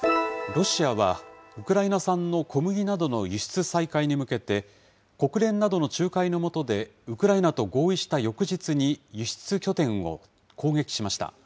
ロシアは、ウクライナ産の小麦などの輸出再開に向けて、国連などの仲介のもとでウクライナと合意した翌日に輸出拠点を攻撃しました。